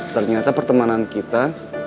ternyata pertemanan kita